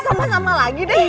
sama sama lagi deh